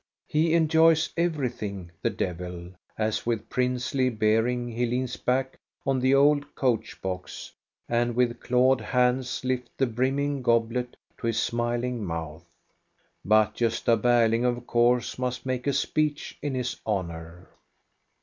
He enjoys everything, the devil, as with princely bearing he leans back on the old coach box, and with clawed hand lifts the brimming goblet to his smiling mouth. But Gosta Berling of course must make a speech in his honor.